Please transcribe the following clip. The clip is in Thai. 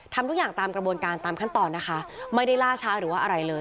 ทำทุกอย่างตามกระบวนการตามขั้นตอนนะคะไม่ได้ล่าช้าหรือว่าอะไรเลย